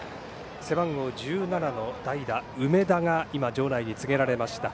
背番号１７の代打、梅田が場内に告げられました。